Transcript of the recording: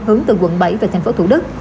hướng từ quận bảy về tp thủ đức